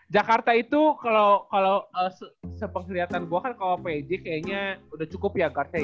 jakarta itu kalau sepenglihatan gua kan kalau p i d kayaknya udah cukup ya garca